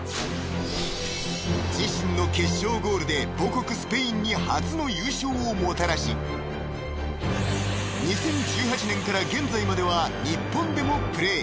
［自身の決勝ゴールで母国スペインに初の優勝をもたらし２０１８年から現在までは日本でもプレー］